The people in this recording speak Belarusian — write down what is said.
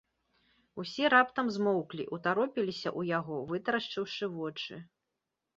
Усе раптам змоўклі, утаропіліся ў яго, вытрашчыўшы вочы.